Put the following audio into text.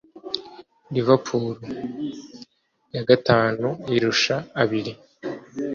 Liverpool (ya gatanu irusha abiri)